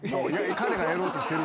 彼がやろうとしてるのは。